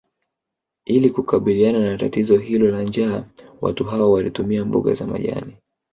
Ili kukabiliana na tatizo hilo la njaa watu hao walitumia mboga za majani